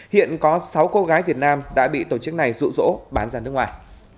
hiện có sáu cô gái việt nam đã bị tổ chức này rụ rỗ bán ra nước ngoài